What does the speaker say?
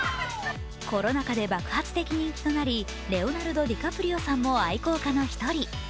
コロナ禍で爆発的人気となりレオナルド・ディカプリオさんも愛好家の一人。